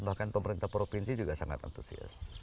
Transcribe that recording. bahkan pemerintah provinsi juga sangat antusias